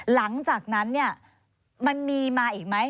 หลังจากนั้นมันมีมาอีกไหม